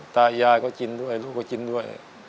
ตายายก็กินด้วยลูกก็กินด้วย